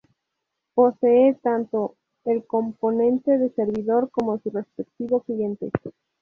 Posee tanto el componente de servidor como su respectivo cliente.